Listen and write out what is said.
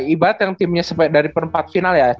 ibarat yang timnya dari perempat final ya